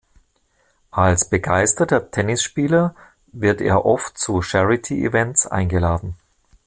Als begeisterter Tennisspieler wird er oft zu Charity-Events eingeladen.